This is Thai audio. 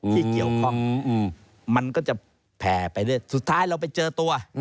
ที่เกี่ยวข้องมันก็จะแผ่ไปเรื่อยสุดท้ายเราไปเจอตัว